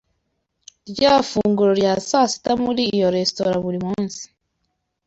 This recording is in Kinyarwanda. Ndya ifunguro rya saa sita muri iyo resitora buri munsi.